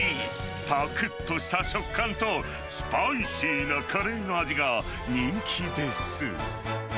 さくっとした食感と、スパイシーなカレーの味が人気です。